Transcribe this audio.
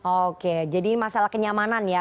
oke jadi masalah kenyamanan ya